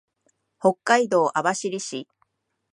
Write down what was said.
北海道網走市